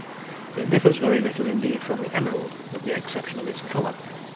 It differs very little indeed from the emerald, with the exception of its colour.